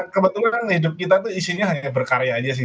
kebetulan hidup kita tuh isinya hanya berkarya aja sih